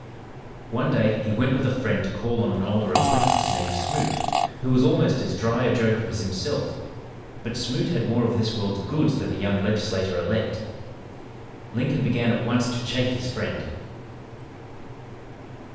One day he went with a friend to call on an older acquaintance, named Smoot, who was almost as dry a joker as himself, but Smoot had more of this world's goods than the young legislator elect. Lincoln began at once to chaff his friend.